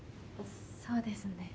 そうですね。